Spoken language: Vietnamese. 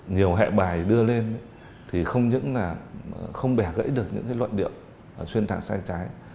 nhiều hệ bài đưa lên không bẻ gãy được những loạn điệu xuyên thẳng sai trái